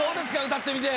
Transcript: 歌ってみて。